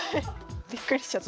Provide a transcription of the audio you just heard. びっくりしちゃった。